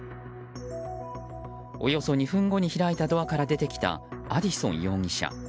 およそ２分後に開いたドアから出てきたアディソン容疑者。